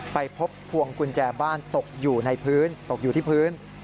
ไปพบพวงกุญแจบ้านตกอยู่ในพื้นตกอยู่ที่พื้น